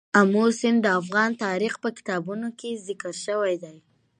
آمو سیند د افغان تاریخ په کتابونو کې ذکر شوی دی.